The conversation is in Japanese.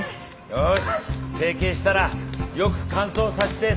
よし成形したらよく乾燥させて素焼きをする。